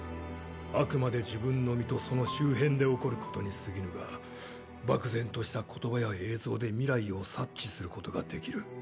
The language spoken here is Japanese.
あくまで自分の身とその周辺で起こることにすぎぬが漠然とした言葉や映像で未来を察知することができる。